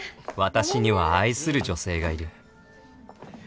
私には愛する女性がいる